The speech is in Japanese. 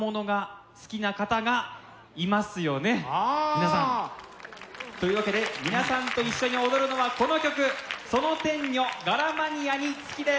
皆さん。というわけで皆さんと一緒に踊るのはこの曲「その天女、柄マニアにつき」です！